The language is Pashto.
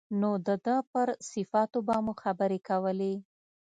نو د ده پر صفاتو به مو خبرې کولې.